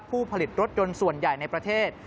ผู้ผลิตรถยนต์ส่วนใหญ่ในประเทศ